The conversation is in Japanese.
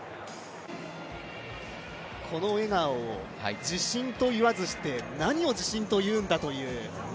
この笑顔、これを自信と言わずして何を自信と言うんだという。